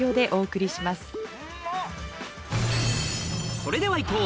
それでは行こう！